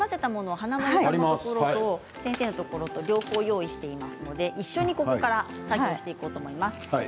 華丸さんのところ、先生のところ両方用意していますので一緒にここから作業していこうと思います。